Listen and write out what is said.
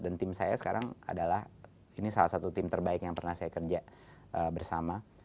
dan tim saya sekarang adalah ini salah satu tim terbaik yang pernah saya kerja bersama